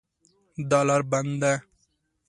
دا لار بنده ده